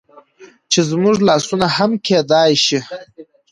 چې زموږ لاسونه هم کيدى شي